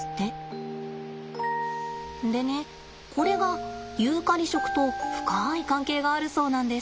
でねこれがユーカリ食と深い関係があるそうなんです。